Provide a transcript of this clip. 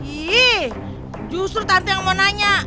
iya justru tante yang mau nanya